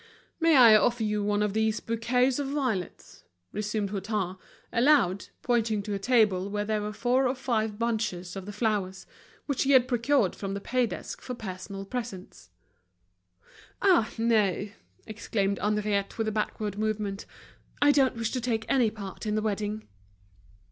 "May I offer you one of these bouquets of violets?" resumed Hutin, aloud, pointing to a table where there were four or five bunches of the flowers, which he had procured from the paydesk for personal presents. "Ah, no!" exclaimed Henriette, with a backward movement. "I don't wish to take any part in the wedding."